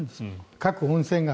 各温泉が。